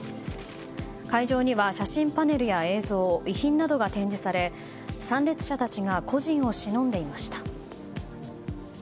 会場には写真パネルや映像遺品などが展示され参列者たちが故人をしのんでいました。